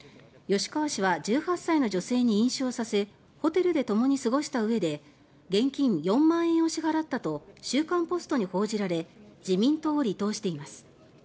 吉川氏は１８歳の女性に飲酒をさせホテルでともに過ごしたうえで現金４万円を支払ったと「週刊ポスト」に報じられ自民党を離党しています。